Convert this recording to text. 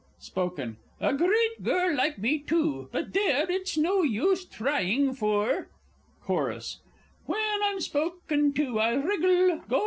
Spoken A great girl like me, too! But there, it's no use trying, for Chorus When I'm spoken to, I wriggle, &c.